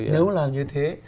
nếu làm như thế